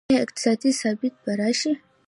آیا اقتصادي ثبات به راشي؟